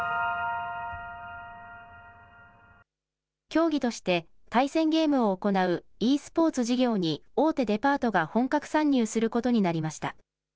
競技として対戦ゲームを行うｅスポーツ事業に大手デパートが本格参入することになりました。